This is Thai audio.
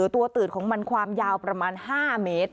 ตืดของมันความยาวประมาณ๕เมตร